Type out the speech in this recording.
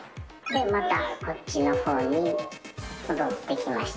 またこっちのほうに戻ってきました。